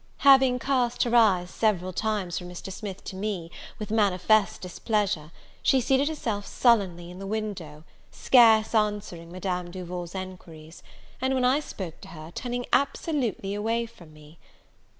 Having cast her eyes several times from Mr. Smith to me, with manifest displeasure, she seated herself sullenly in the window, scarce answering Madame Duval's enquiries; and when I spoke to her, turning absolutely away from me.